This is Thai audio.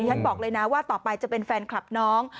ฉันบอกเลยนะว่าต่อไปจะเป็นแฟนคลับน้อง